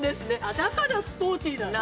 ◆だからスポーティーな。